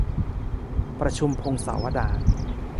ประชุมพงศาวดาร